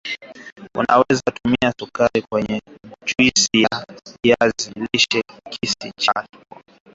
unaweza tumia Sukari kwenye juisi ya viazi lishe kisi chako